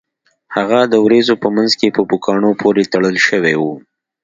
هغه د ورېځو په مینځ کې په پوکاڼو پورې تړل شوی و